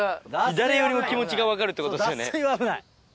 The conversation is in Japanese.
誰よりも気持ちが分かるって脱水は危ない。